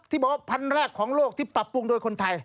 บอกว่าพันธุ์แรกของโลกที่ปรับปรุงโดยคนไทย